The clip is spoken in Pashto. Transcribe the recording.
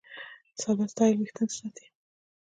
ساده سټایل وېښتيان ساتي.